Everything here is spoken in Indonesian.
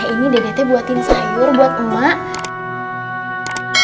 ini dedek teh buatin sayur buat emak